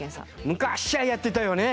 昔はやってたよね。